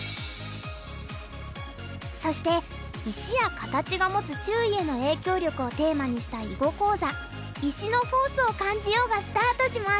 そして石や形が持つ周囲への影響力をテーマにした囲碁講座「石のフォースを感じよう！」がスタートします！